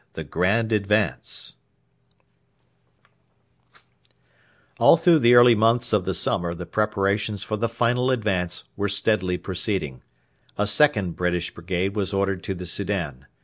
CHAPTER XIII: THE GRAND ADVANCE All through the early months of the summer the preparations for the final advance were steadily proceeding. A second British brigade was ordered to the Soudan.